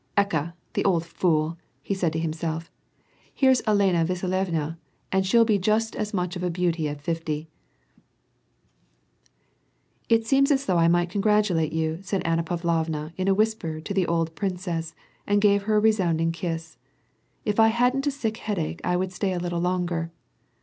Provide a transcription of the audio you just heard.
'^Eka! the old fool!" he said to himself, "Here's Elena Vasilyevna; and shell be just as much of a beauty at fifty I '' "It seems as though I might congratulate you," said Anna Pavlovna in a whisper to the old princess, and gave her a resoimding kiss. " If I hadn't a sick headache, I would stay a little longer."